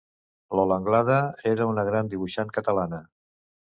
Lola Anglada era una gran dibuixant catalana.